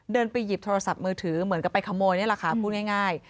ไปหยิบโทรศัพท์มือถือเหมือนกับไปขโมยนี่แหละค่ะพูดง่าย